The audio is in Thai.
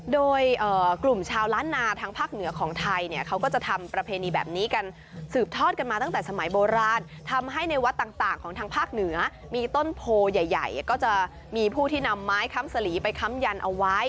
โดยกลุ่มชาวล้านนาทางภาคเหนือของไทยเนี่ยเขาก็จะทำประเพณีแบบนี้กันสืบทอดกันมาตั้งแต่สมัยโบราณทำให้ในวัดต่างของทางภาคเหนือมีต้นโพใหญ่ใหญ่ก็จะมีผู้ที่นำไม้ค้ำสลีไปค้ำยันเอาไว้